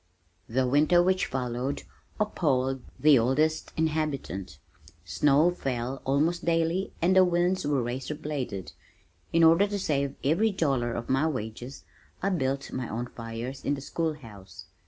The winter which followed appalled the oldest inhabitant. Snow fell almost daily, and the winds were razor bladed. In order to save every dollar of my wages, I built my own fires in the school house.